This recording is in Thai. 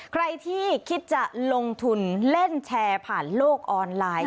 ใครที่คิดจะลงทุนเล่นแชร์ผ่านโลกออนไลน์